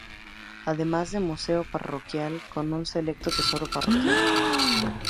Además de museo parroquial con un selecto tesoro parroquial.